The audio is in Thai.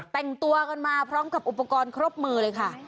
แต่งตัวกันมาพร้อมกับอุปกรณ์ครบมือเลยค่ะ